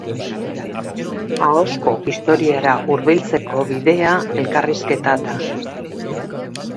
Ahozko Historiara hurbiltzeko bidea elkarrizketa da.